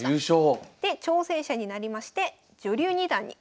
で挑戦者になりまして女流二段に。